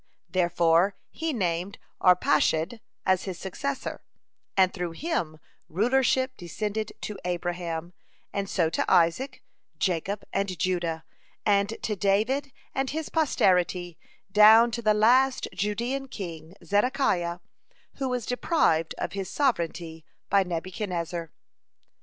Therefore he named Arpachshad as his successor, and through him rulership descended to Abraham, and so to Isaac, Jacob, and Judah, and to David and his posterity, down to the last Judean king Zedekiah, who was deprived of his sovereignty by Nebuchadnezzar.